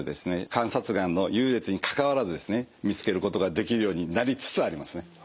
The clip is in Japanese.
観察眼の優劣にかかわらずですね見つけることができるようになりつつありますね。